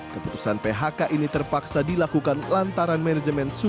keputusan phk ini terpaksa dilakukan lantaran manajemen